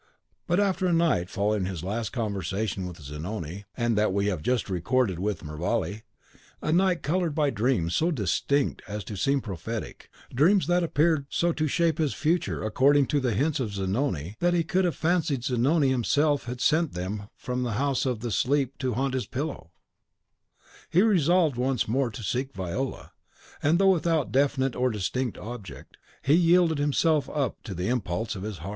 But after a night following his last conversation with Zanoni, and that we have just recorded with Mervale, a night coloured by dreams so distinct as to seem prophetic, dreams that appeared so to shape his future according to the hints of Zanoni that he could have fancied Zanoni himself had sent them from the house of sleep to haunt his pillow, he resolved once more to seek Viola; and though without a definite or distinct object, he yielded himself up to the impulse of his heart.